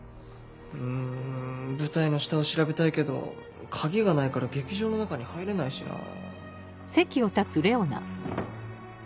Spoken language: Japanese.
うん舞台の下を調べたいけど鍵がないから劇場の中に入れないしなぁ。